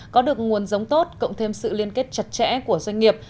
có được nguồn giống tốt cộng thêm sự liên kết chặt chẽ của doanh nghiệp